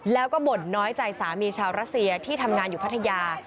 แล้วก็บ่นน้อยใจสามีชาวรัสเซียที่ทำงานอยู่พัทยา